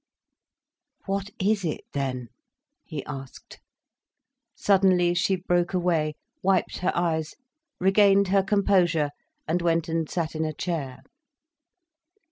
"What is it, then?" he asked. Suddenly she broke away, wiped her eyes, regained her composure, and went and sat in a chair.